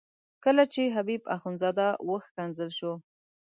کله چې حبیب اخندزاده وښکنځل شو.